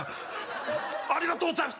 ありがとうございます。